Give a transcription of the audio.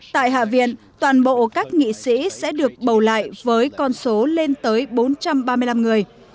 tại hạ viện toàn bộ các nghị sĩ sẽ được bầu lại với con số lên tới bốn trăm ba mươi năm người